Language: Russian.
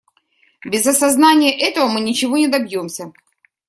Без осознания этого мы ничего не добьемся.